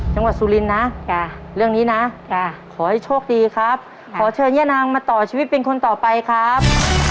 สุรินทร์นะเรื่องนี้นะขอให้โชคดีครับขอเชิญย่านางมาต่อชีวิตเป็นคนต่อไปครับ